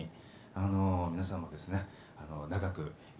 あの皆さんもですね長く生きてるだけあって